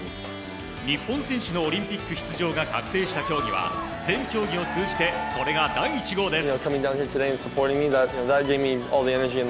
日本選手のオリンピック出場が確定した競技は全競技を通じてこれが第１号です。